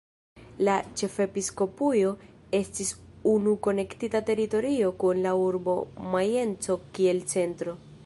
La "ĉefepiskopujo" estis unu konektita teritorio kun la urbo Majenco kiel centro.